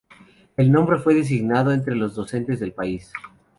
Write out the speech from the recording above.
El nombre fue designado entre los docentes del país.